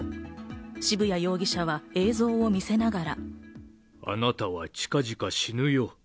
渋谷容疑者は映像を見せながら。